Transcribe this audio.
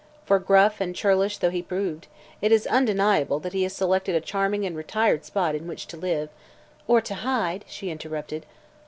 For, gruff and churlish though he proved, it is undeniable that he has selected a charming and retired spot in which to live " "Or to hide," she interrupted.